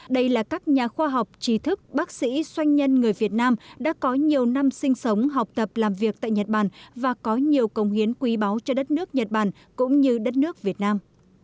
đây là các nhà khoa học trí thức bác sĩ doanh nhân người việt nam đã có nhiều năm sinh sống học tập làm việc tại nhật bản và có nhiều công hiến quý báu cho đất nước nhật bản cũng như đất nước việt nam